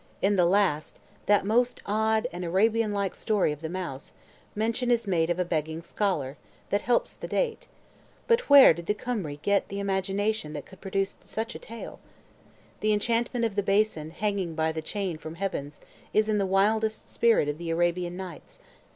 In the last, that most odd and Arabian like story of the mouse, mention is made of a begging scholar, that helps to the date; but where did the Cymri get the imagination that could produce such a tale? That enchantment of the basin hanging by the chain from heaven is in the wildest spirit of the Arabian Nights.